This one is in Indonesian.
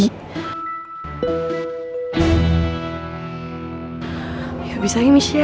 pokoknya kita moon bethah dari ulap